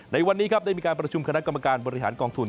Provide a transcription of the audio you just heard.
ในวันนี้ครับได้มีการประชุมคณะกรรมการบริหารกองทุน